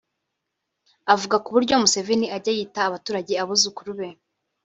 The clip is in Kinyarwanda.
Avuga ku buryo Museveni ajya yita abaturage abuzukuru be